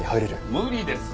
無理です。